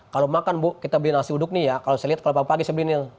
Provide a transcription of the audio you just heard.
kalau makan bu kita beli nasi uduk nih ya kalau saya lihat kalau pagi pagi sebelumnya